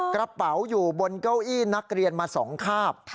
กระเป๋าอยู่บนเก้าอี้นักเรียนมา๒คาบ